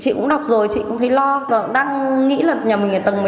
chị cũng đọc rồi chị cũng thấy lo và đang nghĩ là nhà mình ở tầng một mươi tám